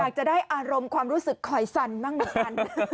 อยากจะได้อารมณ์ความรู้สึกคอยสั่นบ้างเหมือนกัน